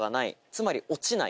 つまり落ちない。